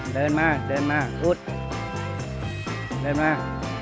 เดินมาเดินมาคุดเดินมา